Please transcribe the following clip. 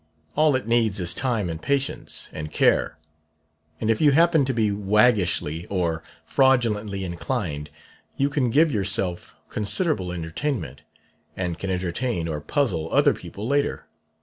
All it needs is time and patience and care. And if you happen to be waggishly or fraudulently inclined you can give yourself considerable entertainment and can entertain or puzzle other people later.